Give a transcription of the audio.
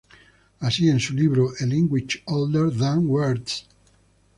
Así, en su libro "A Language Older Than Words".